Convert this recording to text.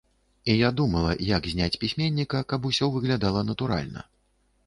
І я думала, як зняць пісьменніка, каб усё выглядала натуральна.